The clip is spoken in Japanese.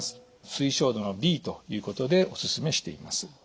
推奨度Ｂということでお勧めしています。